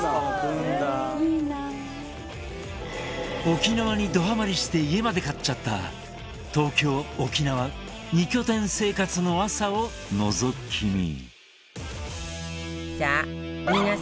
沖縄にドハマリして家まで買っちゃった東京、沖縄２拠点生活の朝をのぞき見。